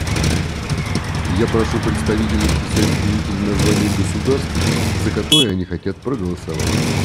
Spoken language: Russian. Я прошу представителей вписать в бюллетени названия государств, за которые они хотят проголосовать.